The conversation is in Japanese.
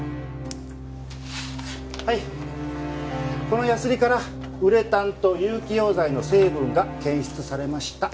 このヤスリからウレタンと有機溶剤の成分が検出されました。